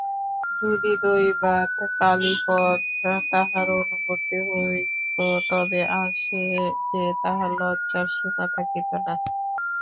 যদি দৈবাৎ কালীপদ তাহার অনুবর্তী হইত তবে আজ যে তাহার লজ্জার সীমা থাকিত না।